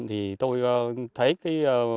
thì tôi thấy cái